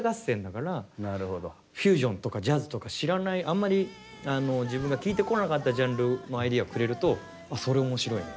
フュージョンとかジャズとか知らないあんまり自分が聴いてこなかったジャンルのアイデアをくれるとあそれ面白いね。